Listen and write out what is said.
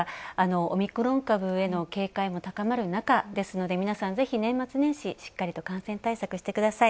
オミクロン株への警戒も高まる中ですので、皆さん、ぜひ、年末年始しっかりと感染対策してください。